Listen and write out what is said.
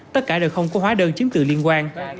tất cả đều không có hóa đơn chiếm tự liên quan